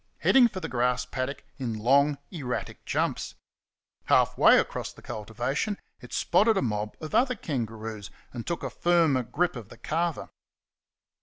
heading for the grass paddock in long, erratic jumps. Half way across the cultivation it spotted a mob of other kangaroos, and took a firmer grip of the carver.